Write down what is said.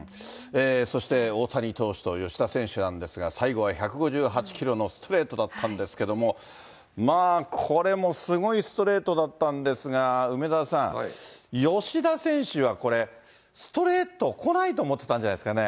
そして大谷投手と吉田選手なんですが、最後は１５８キロのストレートだったんですけれども、これもすごいストレートだったんですが、梅沢さん、吉田選手は、これ、ストレート来ないと思ってたんじゃないですかね。